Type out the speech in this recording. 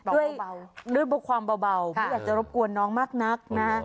ด้วยความเบาไม่อยากจะรบกวนน้องมากนักนะฮะ